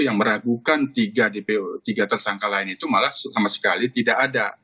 yang meragukan tiga dpo tiga tersangka lain itu malah sama sekali tidak ada